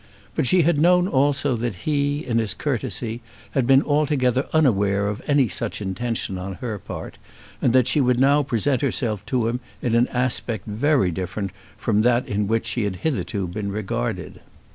But she had known also that he, in his courtesy, had been altogether unaware of any such intention on her part, and that she would now present herself to him in an aspect very different from that in which she had hitherto been regarded.